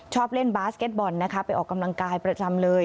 ชอบเล่นบาสเก็ตบอลนะคะไปออกกำลังกายประจำเลย